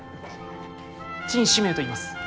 陳志明といいます。